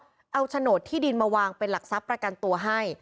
เอาโฉนดที่ดินมาวางเป็นหลักทรัพย์ประกันตัวให้